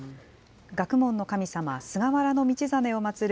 学問の神様、菅原道真を祭る